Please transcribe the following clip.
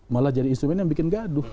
malah jadi instrumen yang bikin gaduh